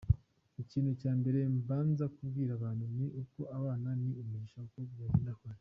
Ikintu cya mbere mbanza kubwira abantu ni uko abana ni umugisha uko byagenda kose.